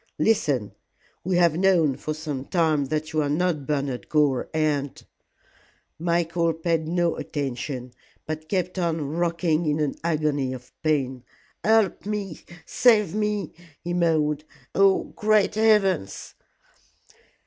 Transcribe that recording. "Listen. We have known for some time that you are not Bernard Gore, and " Michael paid no attention, but kept on rocking in an agony of pain. "Help me save me!" he moaned. "Oh, great heavens!"